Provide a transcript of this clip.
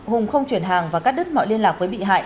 hùng không chuyển hàng và cắt đứt mọi liên lạc với bị hại